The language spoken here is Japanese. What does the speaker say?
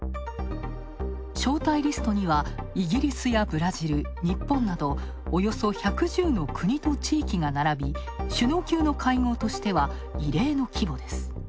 招待リストにはイギリスやブラジル、日本などおよそ１１０の国と地域が並び、首脳級の会合としては異例の規模です。